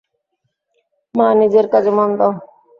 মা, নিজের কাজে মন দাও।